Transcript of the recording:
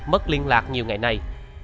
mất liên lạc nhiều ngày nay